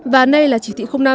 và nay là chỉ thị năm